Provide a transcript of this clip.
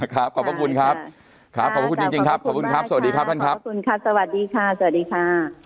ขอบพระคุณครับครับขอบคุณจริงครับขอบคุณครับสวัสดีครับท่านครับขอบคุณครับสวัสดีค่ะสวัสดีค่ะ